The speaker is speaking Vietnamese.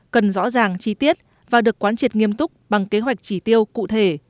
cần rõ ràng chi tiết và được quán triệt nghiêm túc bằng kế hoạch chỉ tiêu cụ thể